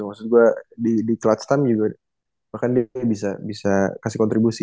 maksud gue di clubstam juga bahkan dia bisa kasih kontribusi